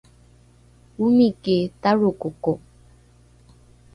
omiki tarokoko